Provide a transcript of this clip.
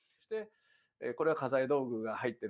これは家財道具が入ってる。